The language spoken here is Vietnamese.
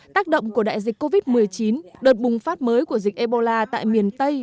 tác động của đại dịch covid một mươi chín đợt bùng phát mới của dịch ebola tại miền tây